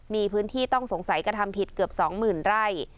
มีพื้นที่ต้องสงสัยกระทำผิดเกือบ๒๐๐๐ไร่